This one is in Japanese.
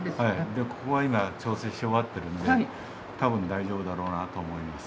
ここは今調整し終わってるんでたぶん大丈夫だろうなと思います。